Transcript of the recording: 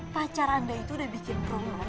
pacar anda itu udah bikin promo